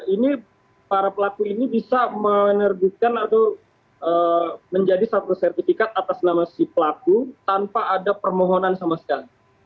ini para pelaku ini bisa menerbitkan atau menjadi satu sertifikat atas nama si pelaku tanpa ada permohonan sama sekali